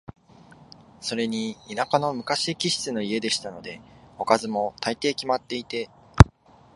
それに田舎の昔気質の家でしたので、おかずも、大抵決まっていて、